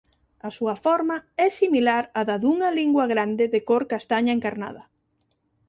A súa forma é similar á da dunha lingua grande de cor castaña encarnada.